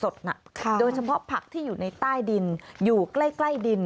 โดยเฉพาะผักที่อยู่ในใต้ดินอยู่ใกล้ใกล้ดิน